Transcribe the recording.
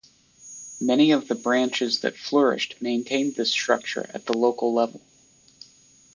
Many of the branches that flourished maintained this structure at the local level.